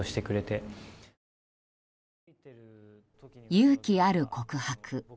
勇気ある告白。